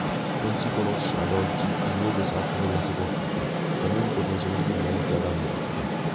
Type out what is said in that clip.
Non si conosce ad oggi il luogo esatto della sepoltura, comunque presumibilmente ad Amburgo.